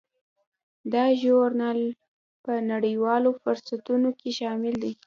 دا ژورنال په نړیوالو فهرستونو کې شامل دی.